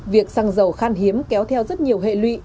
việc xăng dầu khan hiếm kéo theo rất nhiều hệ lụy